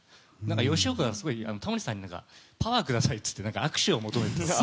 吉岡が、タモリさんにパワーくださいって言って握手を求めたんですよ。